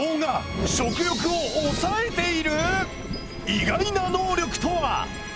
意外な能力とは？